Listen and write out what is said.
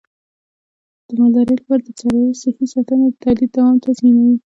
د مالدارۍ لپاره د څارویو صحي ساتنه د تولید دوام تضمینوي.